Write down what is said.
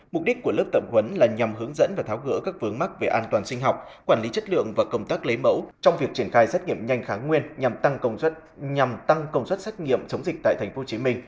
mục đích của lớp tập huấn là nhằm hướng dẫn và tháo gỡ các vướng mắc về an toàn sinh học quản lý chất lượng và công tác lấy mẫu trong việc triển khai xét nghiệm nhanh kháng nguyên nhằm tăng công suất nhằm tăng công suất xét nghiệm chống dịch tại tp hcm